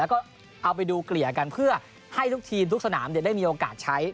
แล้วก็เอาไปดูเกลี่ยกันเพื่อให้ทุกทีมทุกสนามได้มีโอกาสใช้